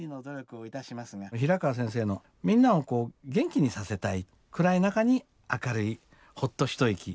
平川先生のみんなを元気にさせたい暗い中に明るいほっと一息を届けるようなね